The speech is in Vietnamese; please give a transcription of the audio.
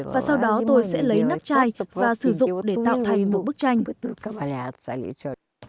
và sau đó tôi sẽ lấy nắp chai và sử dụng để tạo thành một bức tranh